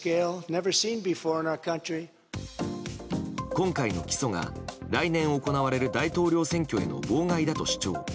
今回の起訴が来年行われる大統領選挙への妨害だと主張。